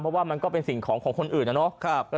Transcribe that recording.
เพราะว่ามันก็เป็นสิ่งของของคนอื่นนะเนาะ